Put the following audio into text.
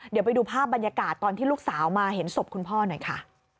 เดี๋ยวไปดูภาพบรรยากาศตอนที่ลูกสาวมาเห็นศพคุณพ่อหน่อยค่ะ